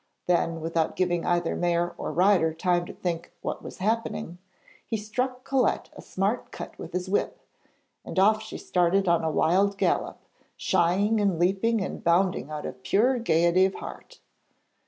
Then, without giving either mare or rider time to think what was happening, he struck Colette a smart cut with his whip, and off she started on a wild gallop, shying and leaping and bounding out of pure gaiety of heart.